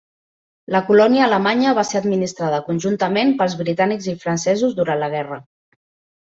La colònia alemanya va ser administrada conjuntament pels britànics i francesos durant la guerra.